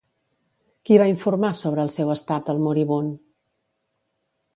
Qui va informar sobre el seu estat al moribund?